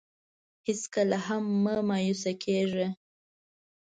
هېڅکله هم مه مایوسه کېږه.